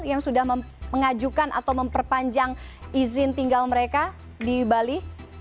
yang sudah mengajukan atau memperpanjang izin tinggal mereka di bali